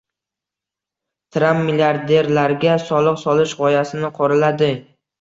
Tramp milliarderlarga soliq solish g‘oyasini qoralading